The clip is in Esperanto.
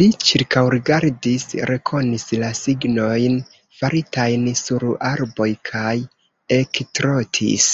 Li ĉirkaŭrigardis, rekonis la signojn, faritajn sur arboj kaj ektrotis.